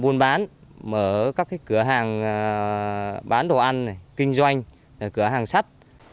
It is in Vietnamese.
buôn bán mở các cửa hàng bán đồ ăn kinh doanh cửa hàng sắt